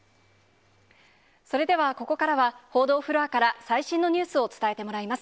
それではここからは、報道フロアから最新のニュースを伝えてもらいます。